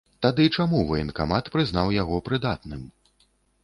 Тады чаму ваенкамат прызнаў яго прыдатным?